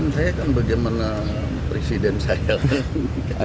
saya kan bagaimana presiden saya kan